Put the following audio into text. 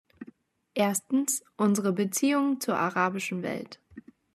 Erstens, unsere Beziehungen zur arabischen Welt.